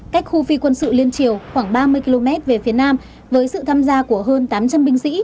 cách khu phi quân sự liên triều khoảng ba mươi km về phía nam với sự tham gia của hơn tám trăm linh binh sĩ